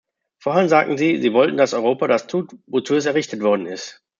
Vorhin sagten Sie, Sie wollten, dass Europa das tut, wozu es errichtet worden ist.